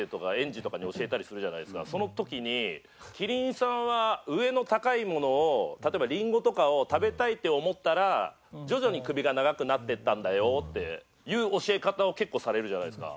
その時に「キリンさんは上の高いものを例えばリンゴとかを食べたいって思ったら徐々に首が長くなっていったんだよ」っていう教え方を結構されるじゃないですか。